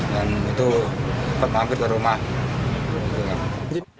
dan itu tempat magut rumah